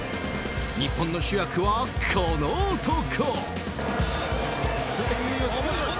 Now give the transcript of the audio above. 日本の主役は、この男！